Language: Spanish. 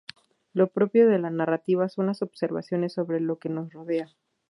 Lo propio de la narrativa son las observaciones sobre lo que nos rodea.